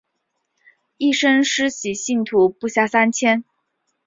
一生施洗信徒不下三千。